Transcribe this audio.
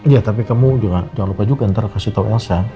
ya tapi kamu jangan lupa juga ntar kasih tau elsa